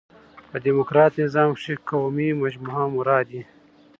په ډيموکراټ نظام کښي قومي مجموعه مراد يي.